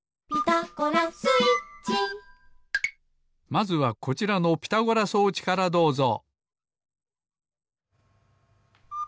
まずはこちらのピタゴラ装置からどうぞ。